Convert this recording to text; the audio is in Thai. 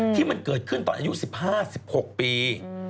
ที่มันเกิดขึ้นตอนอายุ๑๕๑๖ปี